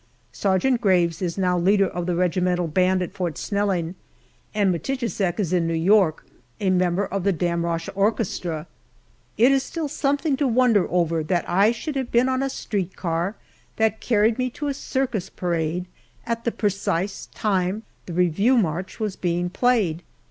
Sergeant Graves is now leader of the regimental band at Fort Snelling, and Matijicek is in New York, a member of the Damrosch orchestra. It is still something to wonder over that I should have been on a street car that carried me to a circus parade at the precise time the Review March was being played!